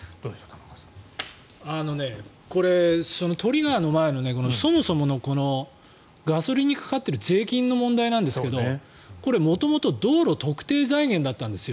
これトリガーの前のそもそものガソリンにかかっている税金の問題なんですけどこれ、元々道路特定財源だったんです。